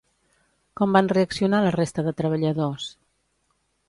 Com van reaccionar la resta de treballadors?